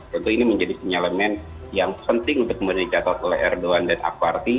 tentu ini menjadi penyelenggaraan yang penting untuk kemudian dicatat oleh erdogan dan ak parti